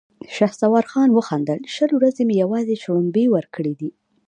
شهسوار خان وخندل: شل ورځې مې يواځې شړومبې ورکړې دي!